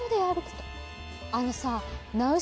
あのさ。